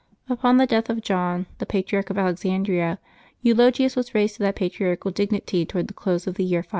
Upon the death of John, the Patriarch of Alexandria, St. Eulo gius was raised to that patriarchal dignity toward the close of the year 583.